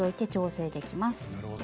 なるほど。